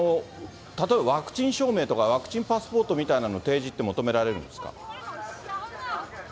例えばワクチン証明とか、ワクチンパスポートみたいなのを提示って求められるんですか？